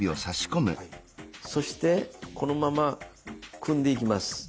そしてこのまま組んでいきます。